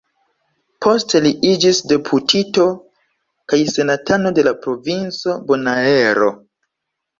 Poste li iĝis deputito kaj senatano de la provinco Bonaero.